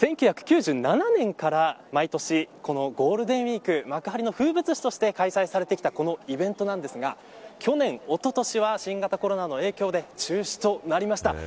１９９７年から毎年、このゴールデンウイーク幕張の風物詩として開催されてきたイベントですが去年、おととしは新型コロナの影響で中止となりました。